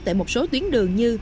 tại một số tuyến đường như